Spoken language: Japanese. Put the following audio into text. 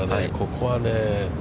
ここはね